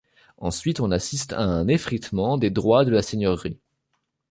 Ensuite, on assiste à un effritement des droits de la seigneurie.